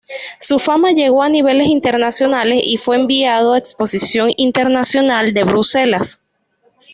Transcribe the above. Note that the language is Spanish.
Su fama llegó a niveles internacionales y fue enviado a Exposición Internacional de Bruselas.